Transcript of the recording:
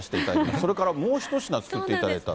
それからもう一品作っていただいた。